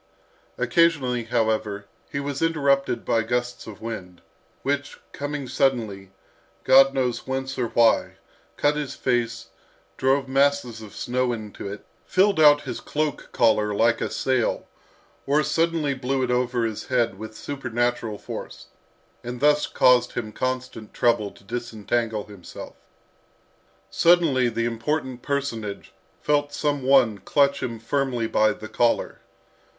Occasionally, however, he was interrupted by gusts of wind, which, coming suddenly, God knows whence or why, cut his face, drove masses of snow into it, filled out his cloak collar like a sail, or suddenly blew it over his head with supernatural force, and thus caused him constant trouble to disentangle himself. Suddenly the important personage felt some one clutch him firmly by the collar.